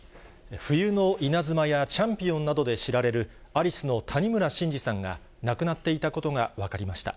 冬の稲妻やチャンピオンなどで知られるアリスの谷村新司さんが亡くなっていたことが分かりました。